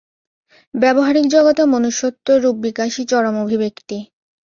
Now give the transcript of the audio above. ব্যাবহারিক জগতে মনুষ্যত্ব-রূপ বিকাশই চরম অভিব্যক্তি।